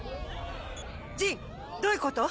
ジンどういうこと？